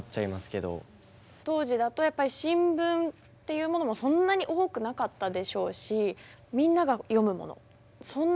当時だとやっぱり新聞っていうものもそんなに多くなかったでしょうしみんなが読むものそんなところで。